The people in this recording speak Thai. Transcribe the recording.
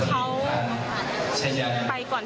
ไปก่อนที่ภารกิจเขาจะเสร็จ